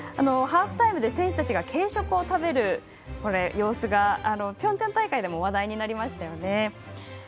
ハーフタイムで選手たちが軽食を食べる様子がピョンチャン大会でも話題になりましたよね。